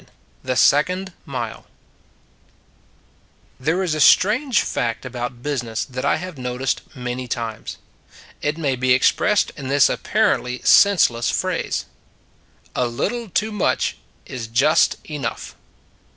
THE SECOND MILE THERE is a strange fact about busi ness that I have noticed many times. It may be expressed in this apparently senseless phrase: A little too much is just enough.